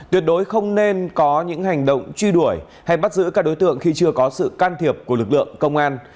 tuyệt đối không nên có những hành động truy đuổi hay bắt giữ các đối tượng khi chưa có sự can thiệp của lực lượng công an